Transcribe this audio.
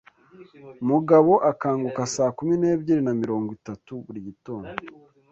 Mugabo akanguka saa kumi n'ebyiri na mirongo itatu buri gitondo.